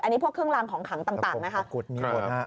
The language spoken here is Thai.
อันนี้พวกเครื่องรางของขังต่างนะคะ